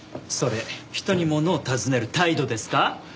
それ人にものを尋ねる態度ですか？